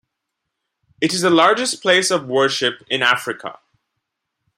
It is the largest place of worship in Africa.